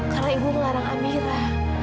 karena ibu mengarang amira